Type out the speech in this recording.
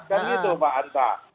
kan gitu mbak anta